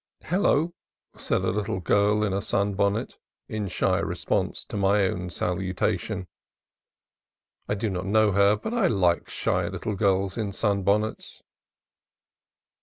"TTello!" said a little girl in a sunbonnet, in shy JLJL response to my own salutation. (I did not know her, but I like shy little girls in sunbonnets.)